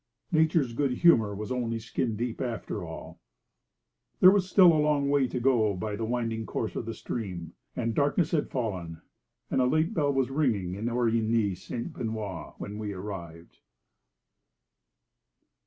Nature's good humour was only skin deep after all. There was still a long way to go by the winding course of the stream, and darkness had fallen, and a late bell was ringing in Origny Sainte Benoîte, when we arrived.